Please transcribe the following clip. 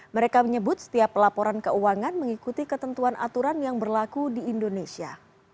mereka menyebut setiap laporan keuangan mengikuti ketentuan aturan yang berlaku di indonesia